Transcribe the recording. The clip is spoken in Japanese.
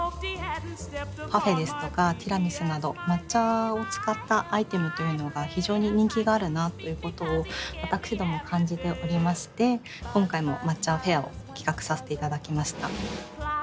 パフェですとかティラミスなど抹茶を使ったアイテムというのが非常に人気があるなということを私ども感じておりまして今回の抹茶フェアを企画させていただきました。